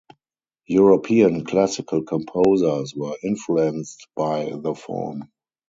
European Classical composers were influenced by the form.